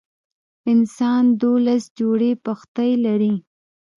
انسان دولس جوړي پښتۍ لري.